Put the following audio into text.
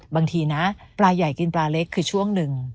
บางทีนะปลาใหญ่กินปลาเล็กคือช่วงหนึ่ง